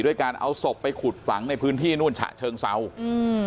การเอาศพไปขุดฝังในพื้นที่นู่นฉะเชิงเศร้าอืม